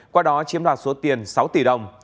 qua đó chiếm đoạt số tiền sáu tỷ đồng